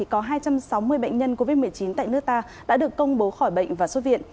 có hai trăm sáu mươi bệnh nhân covid một mươi chín tại nước ta đã được công bố khỏi bệnh và xuất viện